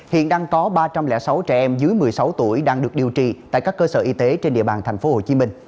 hiện đang có ba trăm linh sáu trẻ em dưới một mươi sáu tuổi đang được điều trị tại các cơ sở y tế trên địa bàn tp hcm